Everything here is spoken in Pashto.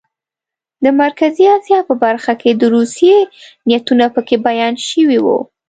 د مرکزي اسیا په برخه کې د روسیې نیتونه پکې بیان شوي وو.